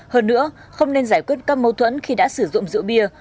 hơn nữa không nên giải quyết các mâu thuẫn khi đã sử dụng rượu bia